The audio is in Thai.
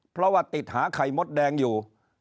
เพราะว่าติดหาไข่มดแดงอยู่